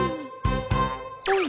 ほい。